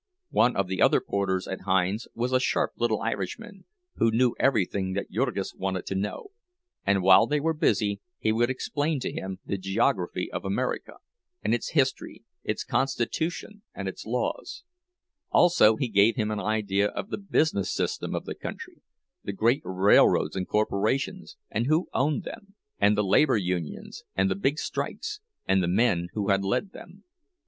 One of the other porters at Hinds's was a sharp little Irishman, who knew everything that Jurgis wanted to know; and while they were busy he would explain to him the geography of America, and its history, its constitution and its laws; also he gave him an idea of the business system of the country, the great railroads and corporations, and who owned them, and the labor unions, and the big strikes, and the men who had led them.